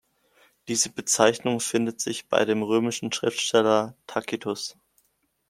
Diese Bezeichnung findet sich bei dem römischen Schriftsteller Tacitus.